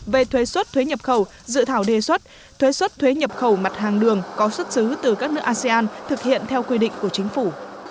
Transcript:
về thuế xuất thuế nhập khẩu dự thảo đề xuất thuế xuất thuế nhập khẩu mặt hàng đường có xuất xứ từ các nước asean thực hiện theo quy định của chính phủ